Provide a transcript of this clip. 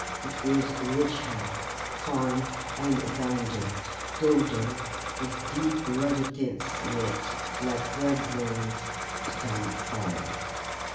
It was rich hair, fine and abundant, golden, with deep ruddy tints in it like red bronze spun fine.